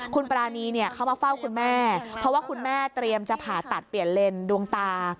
คุณปรานีเนี่ยเขามาเฝ้าคุณแม่เพราะว่าคุณแม่เตรียมจะผ่าตัดเปลี่ยนเลนดวงตา